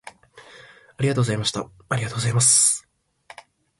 ありがとうございました。ありがとうございます。